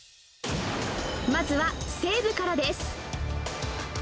まずは、西武からです。